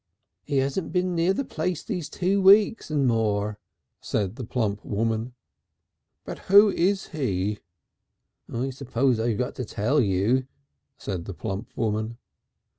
"'E 'asn't been near the place these two weeks and more," said the plump woman. "But who is he?" "I suppose I got to tell you," said the plump woman.